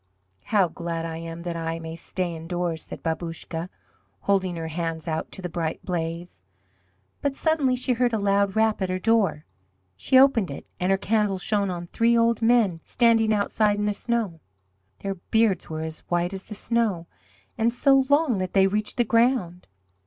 "How glad I am that I may stay indoors," said Babouscka, holding her hands out to the bright blaze. But suddenly she heard a loud rap at her door. She opened it and her candle shone on three old men standing outside in the snow. Their beards were as white as the snow, and so long that they reached the ground.